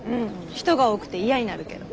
人が多くて嫌になるけど。